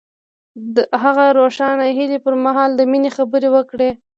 هغه د روښانه هیلې پر مهال د مینې خبرې وکړې.